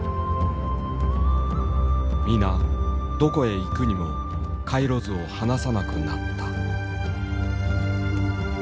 皆どこへ行くにも回路図を離さなくなった。